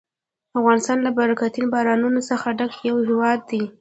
افغانستان له برکتي بارانونو څخه ډک یو هېواد دی.